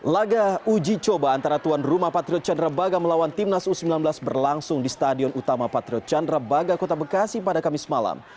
laga uji coba antara tuan rumah patriot candrabaga melawan timnas u sembilan belas berlangsung di stadion utama patriot chandra baga kota bekasi pada kamis malam